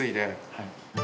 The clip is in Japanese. はい。